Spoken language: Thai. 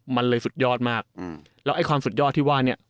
มันเลยสุดยอดมากแล้วไอ้ความสุดยอดที่ว่าเนี่ย